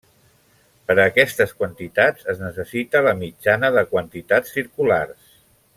Per aquestes quantitats es necessita la mitjana de quantitats circulars.